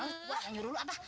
gue yang nyuruh lu apa